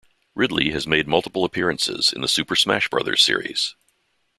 Ridley has made multiple appearances in the "Super Smash Brothers" series.